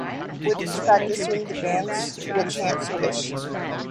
With each practice swing, the fans would chant Swish.